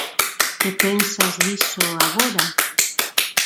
Que pensas diso agora?